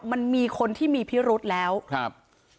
มันมีคนที่มีพิรุษแล้วครับ